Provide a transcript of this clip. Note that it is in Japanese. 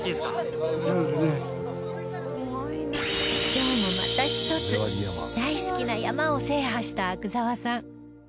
今日もまた１つ大好きな山を制覇した阿久澤さん